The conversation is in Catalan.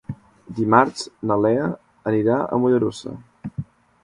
Dimarts na Lea anirà a Mollerussa.